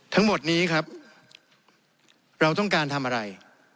ทั้งหมดนี้ครับเราต้องการทำอะไร